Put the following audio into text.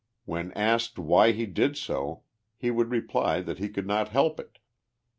When asked why he did so he would reply that he could not help it.